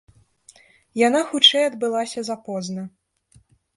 Яна хутчэй адбылася запозна.